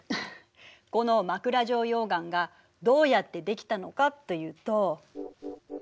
この枕状溶岩がどうやってできたのかと言うと。